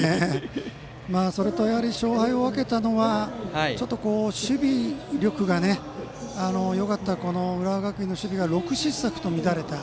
それと、勝敗を分けたのは守備力がよかったはずの浦和学院の守備が６失策と乱れた。